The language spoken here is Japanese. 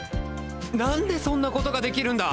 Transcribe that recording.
何でそんなことができるんだ